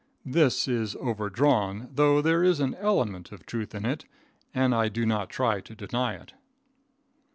This is overdrawn, though there is an element of truth in it, and I do not try to deny it.